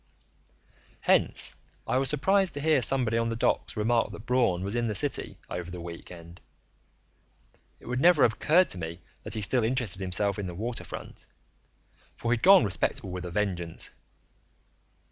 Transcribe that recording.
Hence I was surprised to hear somebody on the docks remark that Braun was in the city over the week end. It would never have occurred to me that he still interested himself in the waterfront, for he'd gone respectable with a vengeance.